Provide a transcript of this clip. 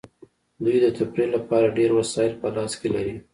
دوی د تفریح لپاره ډیر وسایل په لاس کې لري